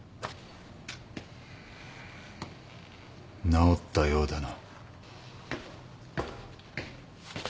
治ったようだな。